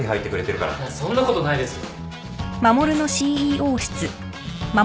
そんなことないですよ。